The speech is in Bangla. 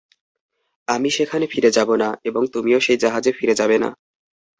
আমি সেখানে ফিরে যাব না, এবং তুমিও সেই জাহাজে ফিরে যাবে না।